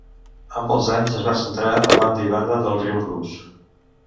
Amb els anys es va centrar a banda i banda del riu rus.